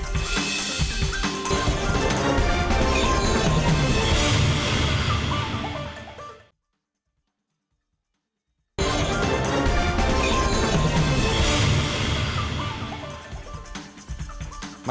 kpu mas pram